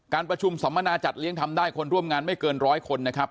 การประชุมสัมมนาจัดเลี้ยงทำได้คนร่วมงานไม่เกินร้อยคนนะครับ